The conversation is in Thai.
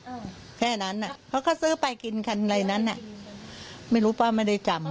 แค่นั้นอ่ะเขาก็ซื้อไปกินคันอะไรนั้นอ่ะไม่รู้ป้าไม่ได้จำ